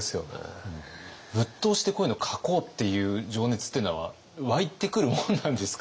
ぶっ通しでこういうのを描こうっていう情熱っていうのは湧いてくるもんなんですか？